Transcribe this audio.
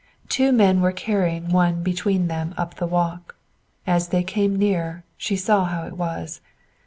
Two men were carrying one between them up the walk. As they came nearer, she saw how it was.